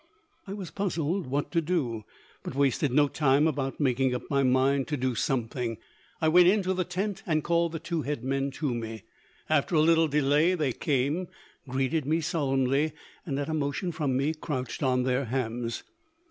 I was puzzled what to do, but wasted no time about making up my mind to do something. I went into the tent and called the two head men to me. After a little delay, they came, greeted me solemnly and at a motion from me crouched on their hams.